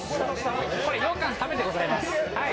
これ、ようかん食べてございます。